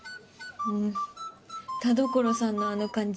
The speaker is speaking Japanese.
田所さんのあの感じ